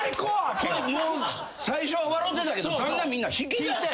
最初は笑うてたけどだんだんみんな引きだして。